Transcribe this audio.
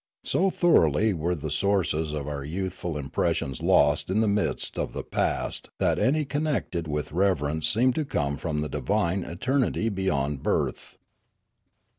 So thoroughly are the sources of our youth ful impressions lost in the mists of the past that any connected with reverence seem to come from the divine eternity beyond birth.